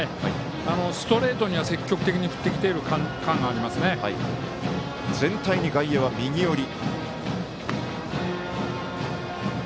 ストレートには積極的に振ってきている感が全体に外野は右寄り。